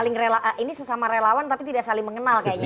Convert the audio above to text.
ini sesama relawan tapi tidak saling mengenal kayaknya